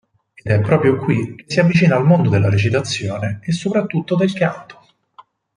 È proprio qui che si avvicina al mondo della recitazione e soprattutto del canto.